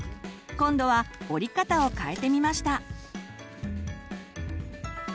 今度は折り方を変えてみました。